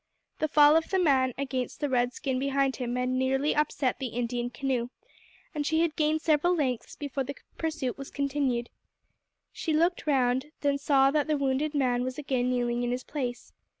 The fall of the man against the red skin behind him had nearly upset the Indian canoe, and she had gained several lengths before the pursuit was continued. She looked round, and saw that the wounded man was again kneeling in his place.